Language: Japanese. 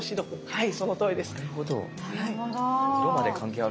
はい。